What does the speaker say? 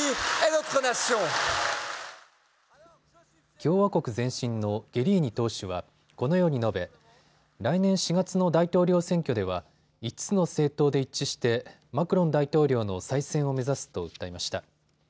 共和国前進のゲリーニ党首はこのように述べ、来年４月の大統領選挙では５つの政党で一致してマクロン大統領の再選を目指すと訴えました。